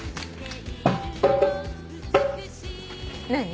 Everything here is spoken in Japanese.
何？